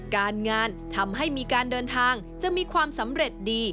การงานทำให้มีการเดินทางจะมีความสำเร็จดี